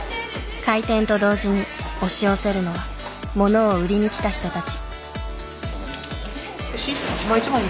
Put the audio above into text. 開店と同時に押し寄せるのは物を売りに来た人たち。